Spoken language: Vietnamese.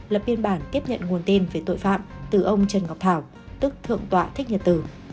lập biên bản tiếp nhận nguồn tin về tội phạm từ ông trần ngọc thảo tức thượng tọa thích nhật tử